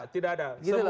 tidak ada tidak ada